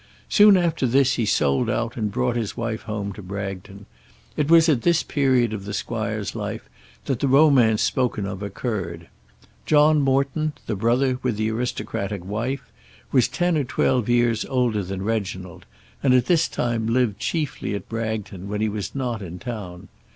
Soon after this he sold out and brought his wife home to Bragton. It was at this period of the squire's life that the romance spoken of occurred. John Morton, the brother with the aristocratic wife, was ten or twelve years older than Reginald, and at this time lived chiefly at Bragton when he was not in town.